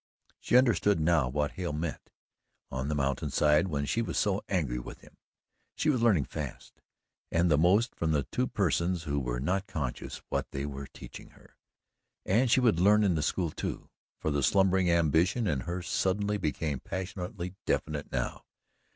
She understood now what Hale meant, on the mountainside when she was so angry with him. She was learning fast, and most from the two persons who were not conscious what they were teaching her. And she would learn in the school, too, for the slumbering ambition in her suddenly became passionately definite now.